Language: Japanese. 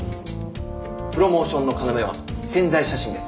プロモーションの要は宣材写真です。